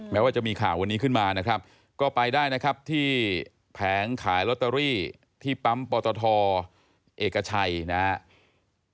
แม้ว่าจะมีข่าววันนี้ขึ้นมานะครับก็ไปได้นะครับที่แผงขายลอตเตอรี่ที่ปั๊มปตทเอกชัยนะครับ